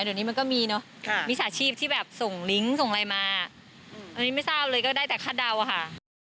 เดี๋ยวนี้มันก็มีเนอะมิจฉาชีพที่แบบส่งลิงก์ส่งอะไรมาอันนี้ไม่ทราบเลยก็ได้แต่คาดเดาอะค่ะ